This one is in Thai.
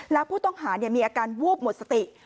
แล้วผู้ต้องหามีอาการวูบหมดสติ